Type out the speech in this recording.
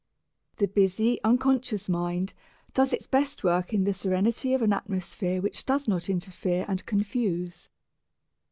The busy, unconscious mind does its best work in the serenity of an atmosphere which does not interfere and confuse.